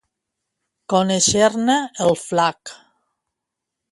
Conèixer-ne el flac.